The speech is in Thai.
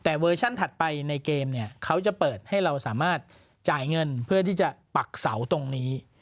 แต่เวอร์ชันถัดไปในเกมเนี่ยเขาจะเปิดให้เราสามารถจ่ายเงินเพื่อที่จะปักเสาตรงนี้